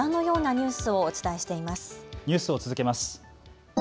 ニュースを続けます。